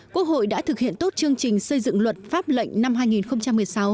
quốc hội đã thực hiện tốt chương trình xây dựng luật pháp lệnh năm hai nghìn một mươi sáu